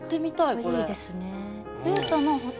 これいいですね。